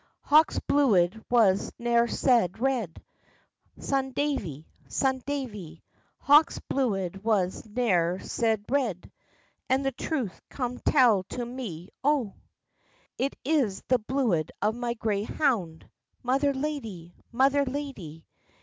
"Hawk's bluid was ne'er sae red, Son Davie! Son Davie! Hawk's bluid was ne'er sae red, And the truth come tell to me, O." "It is the bluid of my grey hound, Mother lady! Mother lady!